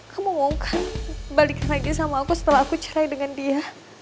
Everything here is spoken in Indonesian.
kamu wong kan balik lagi sama aku setelah aku cerai dengan dia